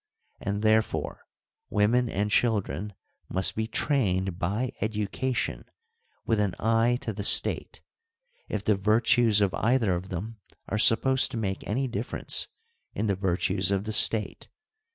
And therefore women and child ren must be trained by education with an eye to the State, if the virtues of either of them are supposed to make any difference in the virtues of the State.